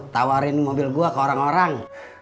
tawarin mobil gue ke orang orang